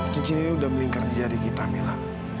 cincin ini udah melingkar di jari kita mila